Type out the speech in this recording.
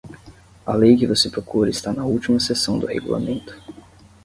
A lei que você procura está na última seção do regulamento.